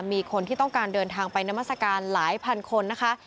มีคนที่ต้องการเดินทางไปนามัศกาลหลายพันคนนะคะ